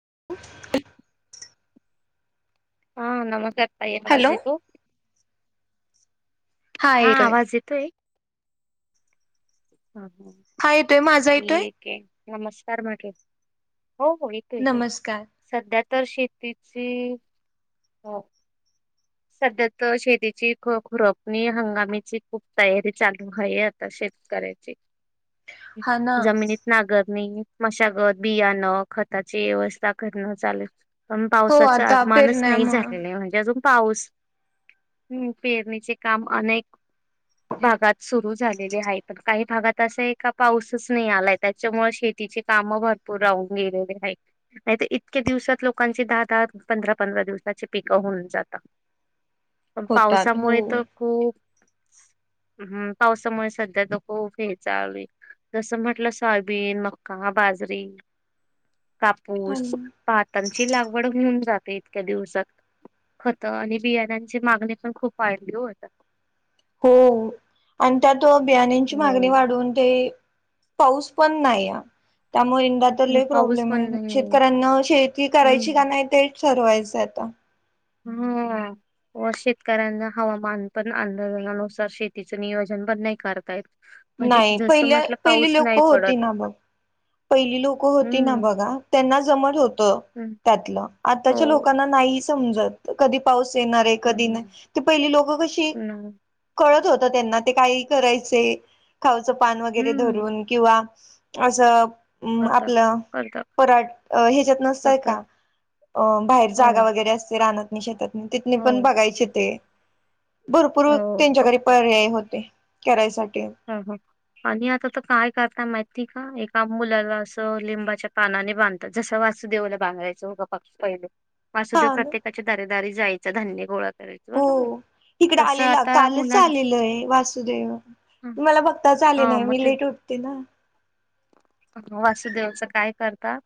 [inaudible] हा नमस्कार ताई हॅलो आवाज येतो हा आवाज येतोय ह हा येतोय माझा येतोय क नमस्कार म हो हो येते येतय नमस्कार सध्या तर शेतीची हो सध्या तर शेतीची ख खुरपणी हंगामीची खूप तयारी चालू आहे आता ते करायचे हा ना जमिनीत नागर नाही मशागत बियाणं खताची व्यवस्था करणं चालेल पण हो पावसाचं आता आगमानच नाही पेरण्यामुळे झालेलं आहे म्हणजे अजून पाऊस हम् पेरणीचे काम अनेक भागात सुरू झालेली आहे पण काही भागात असं आहे का पाऊसच नाही आलाय त्याच्यामुळे शेती भपूर गे इतक्या दिवसात लोकांचे दहा दहा पंध पं दिवसाची पिकं होऊन जात पण होतात हो पावसामुळे तर खूप हम्म पावसामुळे सध्या तर खूप हे्याचाली जसं म्हटलं सोयाबीन मक्का बाजरी कापूस पाातांची लागवड घेऊन जाते इतक्या दिवसात आणि बियाण्यांची मागणी पण खूप वाढली होत हो आणि त्यात बियाणींची मागणी हो. वाढून ते पाऊस पण नाही या त्यामुळेंदादर ल पाऊस प्रॉब्लेम आहे पण नाही शेतकऱ्यांना शेती करायची का हम्म. नाही ते सरवायचता हम्म व शेतकऱ्यांना हवामान पण आंदोलनानुसार शेतीच नियोजन पण नाही करतायत नाही पहिल्या पहिली लोक होती पडत ना बघ पहिली लोक होती ना हम्म बघा त्यांना जमत होत हम्म त्यातलं आताच्या हो. लोकांना नाही समत कधी पाऊस येणार आहे कधी हम्म नाही ते पहिली लोक कशी ना कत हो तर त्यांना ते काही करायचे खावाचं पान वगैरे हम्म धरून किंवा असं अम करतात आपलं करतात पराठ ह्याच्यात नसतय का करतात अं बाहेर हो. जागा वगैरे असते राहनात नाही शेतात नाही तिथने हो पण बघायचे ते भरपूर हो त्यांच्या घरी पर्याय होते करायसाठी हो हो आणि आता तर काय करताय माहिती ठी का एका मुलाला असं लिंबाच्या पानाने बांधतात जस वासूदेवला बांधरायचं का पक्ष पहिले वासुदेव हा ना प्रत्येकाच्या दारेदारी जायचं धान्य गोळ हो इकडं आलेलं कालच मुलां आलेल आहे वासुदेव मला फक्ताच आले नाही मी लेट उठते ना वासुदेवाचं काय करतात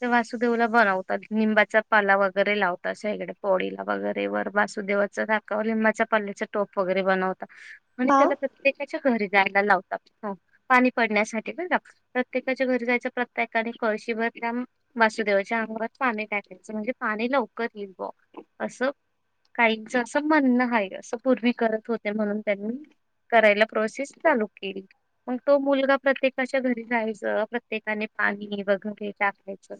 ते वासुदेवला बनवतात निबाचा पाला वगैरे लावतातकडे पोळीला वगैरे वर वासु देका लिंबाच्या पल्लेचा टो वगरे बनवत आणि हा त्याला प्रत्येकाच्या घरी जायला लावतात पाणी पडण्यासाठी बण प्रत्येकाच्या घरी जायच्या प्रत्येकाने कळशीभर त्या वासुदेवाच्या अंगात पाने काटायचं म्हणजे लवकर येईल बॉ अस काही ज असं म्हणणं आहे असं पूर्वी करत होते म्हणून त्यांनी करायला प्रोसेस चालू के तो मुलगा प्रत्येका घ जायचं प्रत्येकाने पाणी वगैरे टाकायचं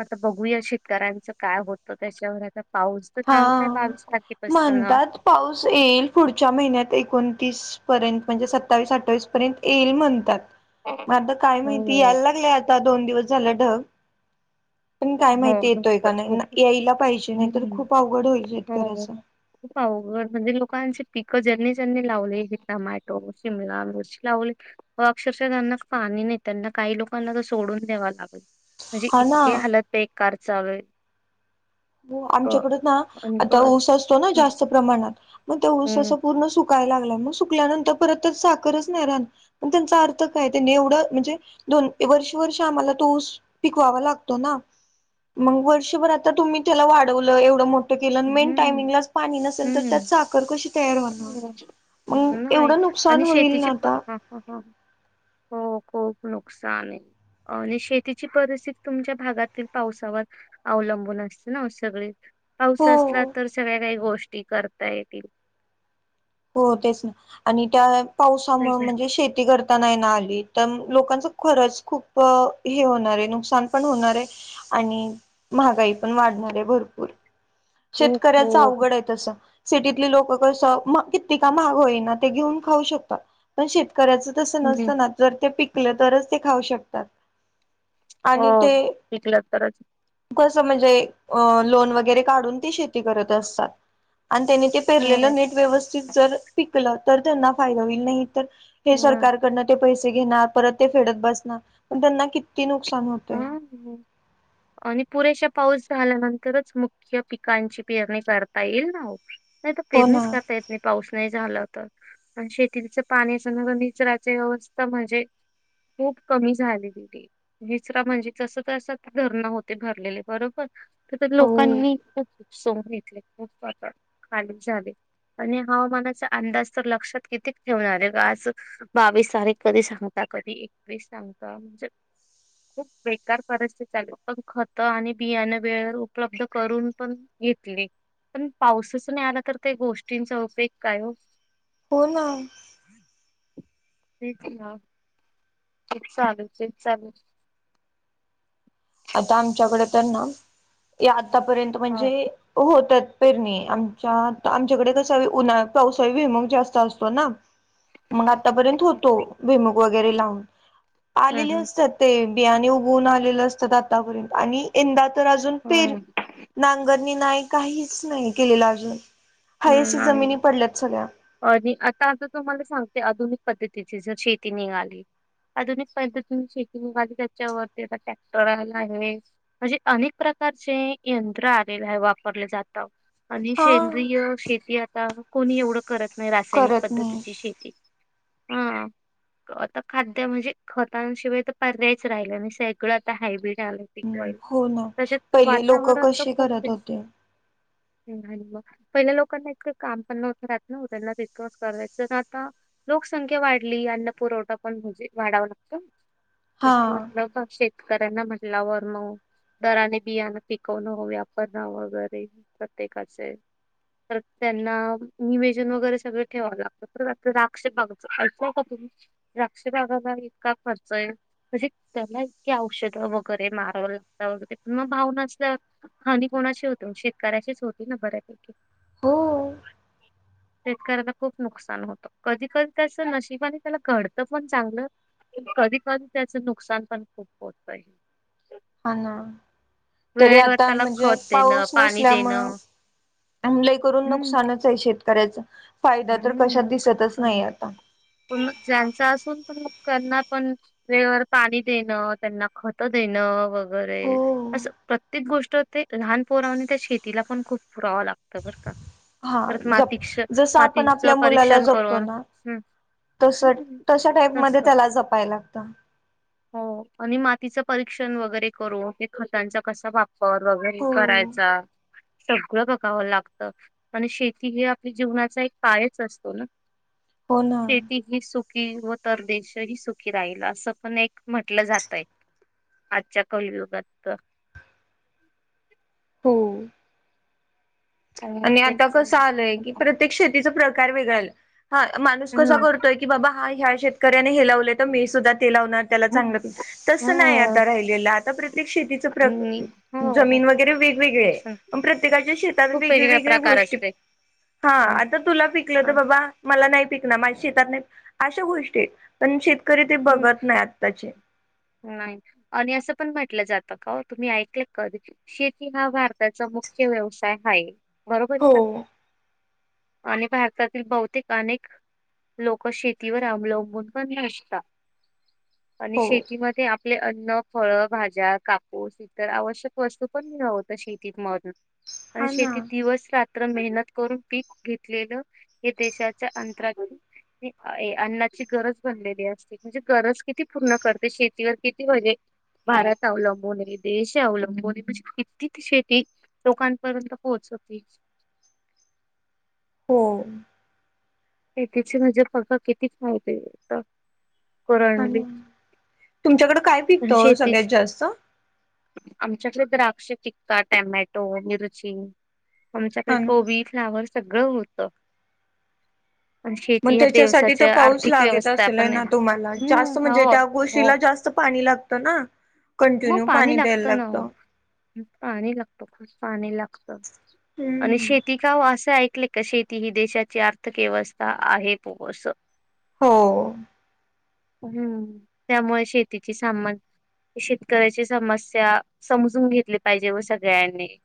आता बघूया शेतकऱ्यांचं काय होतं त्याच्यावर आता पाऊस तर हा सांगताय बावीस तारखेपासून. म्हणतात पाऊस येईल पुढच्या महिन्यात एकूण तीसपर्यंत म्हणजे सत्तावीस अठ्ठावीसपर्यंत येईल म्हणतात म आता काय माहिती हो. यायला लागलंय आता दोन दिवस झालं ढग पण काय हो माहिती येतोय का लवकर खूप नाही यायला पाहिजे नाही तर हम्म. खूप अवघड होईल हो शेतकऱ्याचं. खूपघर म्हणजे लोकांची पिकं ज्यांनी ज्यांनी लावले हे टमॅटो शिमला मिरची लावली व अक्षरशःना फान नाही त्यांना काही लोकांना सोडून द्यावा लागेल म्हणजे हा इतके ना हालत पे कार चावेल हो आमच्याकड ना आता क- ऊस असतो ना हम्म जास्त प्रमाणात मग त्या ऊसाच हम्म पूर्ण सु सुकायला लागला मग सुकल्यानंतर परत तर साखरच नाही राहण पण त्यांचा अर्थ काय त्यांनी एवढं म्हणजे दोन वर्ष वर्ष आम्हाला तोऊस पिकवावा लागतो ना मग वर्षभर आता तुम्ही त्याला वाढवलं एवढं मोठ केलं मेन टायमिंगला पाणी नसेल तर त्यात हम्म साखर कशी तयार होणार मग नाही एवढं नुकसान आणि होईल ना शेतीची आता हो खूप नुकसान आहे आणि शेतीची परिस्थिती तुमच्या भागातील पावसावर अवलंबून असते ना सगळे पाऊस असला हो तर सगळ्या काही गोष्टी करता येतील हो तेच ना आणि त्या तेच पावसामुळे ना म्हणजे शेती करताना ना आली तर लोकांच खरंच खूप हे होणार आहे नुकसान पण होणार आहे आणि महागाई पण वाढणार आहे भरपूर खूप शेतकऱ्याच खूप अवघड आहे तस सिटीतले लोक कसं कितती का महाग होईना ते घेऊन खाऊ शकतात पण शे करायच तस हम्म. नसतना जर ते पिकल तरच ते खाऊ शकतात हो शिकलं तरच कस म्हणजे लोन वगैरे काढून ती शेती करत असतात आणि त्यानी ते हम्म पेरलेलं नेट व्यवस्थित जर पिकलं तर त्यांना फायदा होईल नाही हे हम्म, सरकारकडन पैसे घेणार परत ते फेडत बसणार त्यां किती नुकसान होतय हा आणि पुरेशा पाऊस झाल्यानंतरच मुख्य पिकांची पेरणी करता येईल ना ओ नाही तर हो ना पेरणीच करता येत नाही पाऊस नाही झाला आणि शेतीच पाण्या अस निचराची व्यवस्था म्हणजे खुप कमी झाली तेथे विसरा म्हणजे जस तस धरण होते भरलेले बरोबर तर हो लोकांनी सोम घेतले खूप पातण खाली झाले आणि हवामानाचा अंदाज तर लक्षात किती ठेवणार आहे आज बावीस तारीख कधी सांगतात कधी एकस सांगता म्हणजे खूप बेकार परिस्थिती चालू पण खत आणि बियाणे वेळ उपलब्ध करून पण घेतली पण पावसाच नाही आला तर त्या गोष्टींचा उपयोग काय हो हो ना कच ना तेपसल चपसल आता आमच्याकडे तर ना या आतापर्यंत हा हा, म्हणजे होतात पेरणी आमच्या आमच्याकडे कसा उन्हा पावसाळी विमग जास्त असतो ना मग आतापर्यंत हा. होतो भिमक वगैरे लावून हम्म आलेले हम्म असतात ते ब उून आ असतात आर्य आणिा तर अ हम्म. ना नी नाही काहीच नाही केलेलं अजून हयशी हम्म जमिनी आहे. पडल्यात सगळ्या आणि आता आता तुम्हाला सांगते आधुनिक पद्धतीची जर शेती निघाली आधुनिक पद्धतीने शेतीाली त्याच्यावरती आता टॅक्टर आला आहे म्हणजे अनेक प्रकार प्रकारचे यंत्र आलेलं आहे वापरले जात आणि हा सेंद्रिय शेती आता कोणी एवढं करत रासायनिक करत नाही पद्धतीची शेती ह आता खाद्य म्हणजे खतांशिवाय तर पर्यायच राहिलं आणि सगळं आता हायब्रिड ल पिक हम्म वईल हो ना तसेच पहिले लोक वातावरण तर कसे खूप करत बेस्ट होते नाही मग पहिल्या लोकांना एक काम पण नव्हतं राह हो त्यांना तसकच करायचं आता लोकसंख्या वाढली अन्न पुरवठा पण म्हजे वाढावा लागत हा कस म्हटल शेतकऱ्यांना म्हटल्यावर मग दराने बियाण पिकवणं हव्यापण वगैरे प्रत्येकाचे तर त्यांना निवेेजन वगैरे सगळं ठेवावं लागतं दक्षबागच [unintelligible] ऐकू का तुम्ही द्राक्षबागाला इ खर्च त्यांना [unintelligible] इतकी औषध वगैरे माराव लागत भाव [unintelligible] हानी कोणाची होते शेतकऱ्याचीच होती ना बऱ्यापैकी ओ [inaudible] शेतकऱ्याला खूप नुकसान होतं कधी कधी त्याच नशिबाने त्याला घडतं पण चांगलं कधी कधी त्याचं नुकसान पण खूप होत [unintelligible] हा ना तरी वेळेवर आता त्याला म्हणजे खत देणं पाऊस पाणी नसल्यामुळ देणं अ [unintelligible] लई करून हम्म नुकसानच आहे शेतकऱ्याच हम्म नुकसान पण आहे पण ज्यांचं असून पण त्यांना पण वेळेवर पाणी देणं त्यांना खत देणं वगर बरंय हो असं प्र प्रत्येक गोष्ट ते लहान पोरावानी त्या शेतीला पण खूप पुरावं लागतं बर का हा परत जप मातीक्ष जस आपण आपल्या मातीचं मुलाला परीक्षण जपतो करून ना हम्म तस हम्म तशा टाईप म तस त्याला जपाय लागत हो आणि मातीचं परीक्षण वगैरे करू खतांचा कसा बाप कॉर वगैरे हो करायचा सगळं बघावं लागत आणि शेती हे आपल्या जीवनाचा एक पायच असतो ना हो ना शेती ही सुख सुखी [unintelligible] व तर देशही सुखी राहील असं पण एक म्हटलं जातय आजच्या कलयुगात हो हो आणि आता तेच कसं आलंय की प्रत्येक शेतीचा प्रकार वेगळा आलंय हा माणूस कसा ना. करतोय की बाबा हा ह्या शेतकऱ्याने हे लावलेतो मी सुद्धा च हम्म त नाही हो आता राहि आ प्रत्येक शे आणि हो जमिन ते वगैरे वेगवेगळ्य तेच ना. पन प्रत्येकाचं शेताच खूप [unintelligible] वेगवेगळा वेगवेगळ्या प्रकार गोष्टी असते हा हम्म आता तुला पिकल तर बाबाम नाही प [unintelligible] माझ्या शेतात नाही अशा गोष्टी पण श हम् नाही आणि असं पण म्हटलं जात ता [unintelligible] का तुम्ही ऐकले कधी शेती हा भारताचा मुख्य व्यवसाय हाय बरोबर आहे हो [unintelligible] का आणि भारतातील बहुतेक अनेक लोक शेतीवर अवलंबून पण नसता आणि हो शेतीमध्ये आप आपले अन्न फळ भाज्या कापूस इतर आवश्यक वस्तू पण घ [unintelligible] होतं शेतीत मदन आणि हा शेतीत ना दिवस रात म्र [unintelligible] मेहनत करून पीक घेतलेलं हे देशाच्या अंतरागली [unintelligible] अन्नाची गरज भनलेली असते म्हणजे गरज किती पूर्ण करते शेतीवर किती वजे भारत अवलंबून देश अवलंबून म्हणजे किती शेती लोकांपर्यंत पोहोच सफ [unintelligible] होम तिचे म्हणजे पका कितीच माहिती तुमच्याकडें काय पिकतं सगळ्यात शेतीच जास्त आमच्याकडे द्राक्ष टिक्का टोमॅटो मिरची आमच्याकडे हा ना कोबी फ्लावर सगळं होत पण मग शेती ह्या त्याच्यासाठी तर देवसाच्या पाऊस आर्थिक लागत व्यवस्था असेलय पण आहे. ना तुम्हाला जास्त हम्म. म्हणजे हो त्या हो गोशीला जास्त पाणी लाग ना मग कंटिन्यू पाणी द्यायला लागतं ना लागत पाणी लागतो खूप पाणी लागत आणि हम्म शेती काव असं का [unintelligible] शेती ही देशाची आर्थ केव्हसता आहे पो अस हो हम्म त्यामुळे शेतीचे सामान शेतकऱ्याची समस्या समजून घेतली पाहिजे व सगळ्यांनी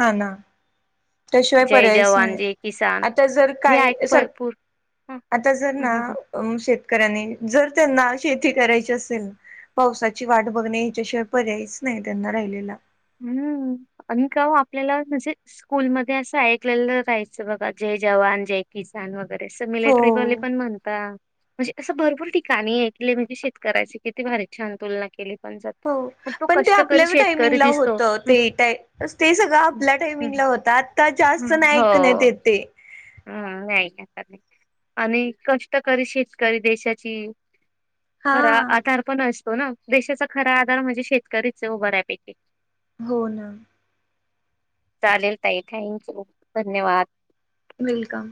हा ना त्याशिवाय जय पर्यायच जवान नाही जय किसान आता जर हे ऐक काही प सर पूर हं, आता जर हं, ना हं. शेतकऱ्यांनी जर त्यांना शेती करायची असेल पावसाची वाट बघणे ह्याच्याशिवाय पर्यायच नाही त्यांना राहिलेला हम्म आणि का आपल्याला म्हणजे स्कूलमध्ये असं ऐकलेलं राहायचं बघा जे जवान जय किसान वगैरे अस मिलिटरीले हो पण म्हणत म्हणजे असं भरपूर ठिकाणी आहे क म्हणजे शेतकऱ्याची किती भारीचच्या आ तुलना केली हो तो कष्टकरी शेतकरी दिसत तेा ते सगळं आपल्या हम्म, टायमिंगला होत आता जास्त नाही ऐक नाही य ते ते हम ह नाही आणि कष्टकरी शेतकरी देशाची हा खरा आधार पण असतो ना देशाचा खरा आधार म्हणजे शेतकरीच उभऱ्यापैकी हो ना चालेल ताई थँक यू धन्यवाद वेलकम